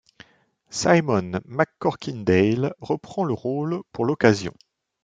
Simon MacCorkindale reprend le rôle pour l'occasion.